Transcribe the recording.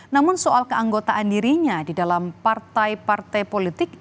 namun soal keanggotaan dirinya di dalam partai partai politik